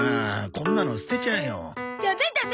こんなの捨てちゃえよ。ダメダメ！